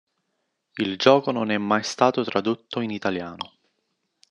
Il gioco non è mai stato tradotto in italiano.